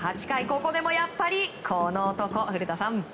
ここでもやっぱりこの男、古田さん。